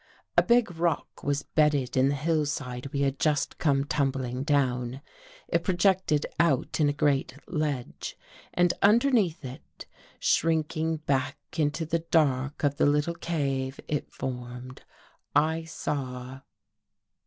A big rock was bedded In the hillside we had just come tumbling down. It projected out In a great ledge. And underneath It, shrinking back Into the dark of the little cave It formed, I saw